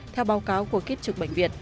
theo báo cáo của kích trực bệnh viện